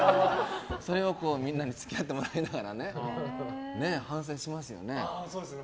それをみんなに付き合ってもらいながら反省しますよね。